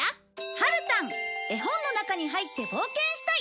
はるたん「絵本の中に入って冒険したい」。